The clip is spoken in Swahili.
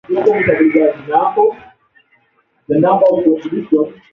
na mahusiano ya huko nyuma ya kibiashara na nchi hiyo